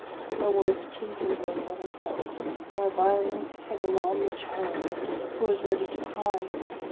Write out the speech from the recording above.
No words can convey what I felt ; my violence had alarmed the child, who was ready to cry.